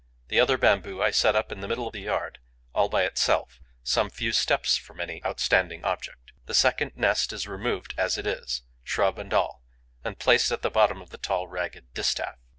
The other bamboo I set up in the middle of the yard, all by itself, some few steps from any outstanding object. The second nest is removed as it is, shrub and all, and placed at the bottom of the tall, ragged distaff.